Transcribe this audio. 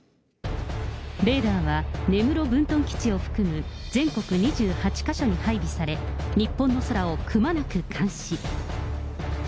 レーダーは根室分屯基地を含む全国２８か所に配備され、日本の空をくまなく監視。